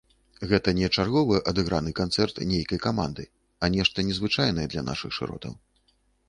Гэта не чарговы адыграны канцэрт нейкай каманды, а нешта незвычайнае для нашых шыротаў.